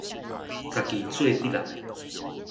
家己做得來